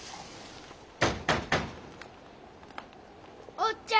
・おっちゃん。